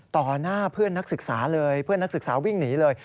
หน้าเพื่อนนักศึกษาเลยเพื่อนนักศึกษาวิ่งหนีเลย